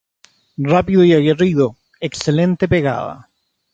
Rápido y aguerrido, excelente pegada.